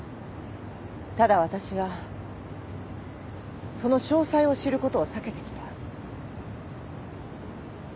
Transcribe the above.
ただ私はその詳細を知ることを避けてきた。